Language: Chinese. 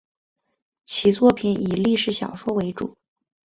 其作品以历史小说为主。